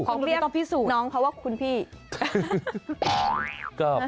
ต้องเรียกพี่สูตร